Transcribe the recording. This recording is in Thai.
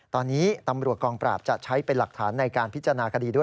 ตอนนี้ตำรวจกองปราบจะใช้เป็นหลักฐานในการพิจารณาคดีด้วย